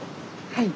はい。